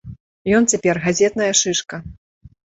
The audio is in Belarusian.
Ён цяпер газетная шышка.